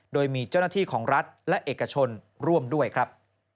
โดยมีเจ้าหน้าที่ของรัฐและเอกชนร่วมด้วยครับ